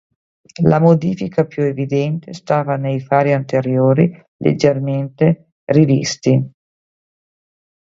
La modifica più evidente stava nei fari anteriori, leggermente rivisti.